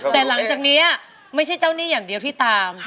แต่หลังจากนี้ไม่ใช่เจ้าหนี้อย่างเดียวที่ตาม